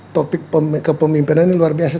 topik kepemimpinan ini luar biasa